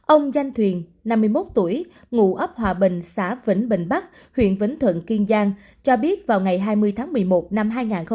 ông danh thuyền năm mươi một tuổi ngụ ấp hòa bình xã vĩnh bình bắc huyện vĩnh thuận kiên giang cho biết vào ngày hai mươi tháng một mươi một năm hai nghìn hai mươi ba